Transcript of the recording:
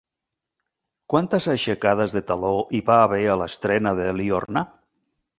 Quantes aixecades de teló hi va haver a l'estrena de Liorna?